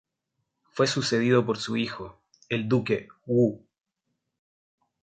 Fue sucedido por su hijo, el Duque Wu.